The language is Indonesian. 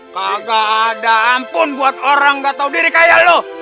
kagak ada ampun buat orang gak tau diri kayak lo